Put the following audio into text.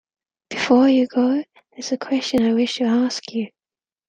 Before you go, there is a question I wish to ask you.